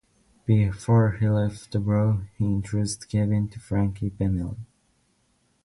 Before he left DuBrow he introduced Kevin to Frankie Banali.